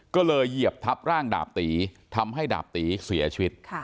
ก็เลยเหยียบทับร่างดาบตีทำให้ดาบตีเสียชีวิต